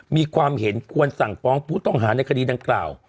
มีความเห็นควรสั่งฟ้องผู้ต้องหาในคดีดังกล่าว